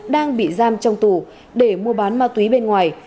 đang bị giam trong tù để mua bán ma túy bên ngoài